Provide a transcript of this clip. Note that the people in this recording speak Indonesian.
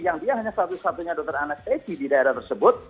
yang dia hanya satu satunya dokter anestesi di daerah tersebut